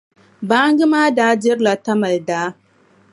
Baaŋa ma daa dirila Tamali daa.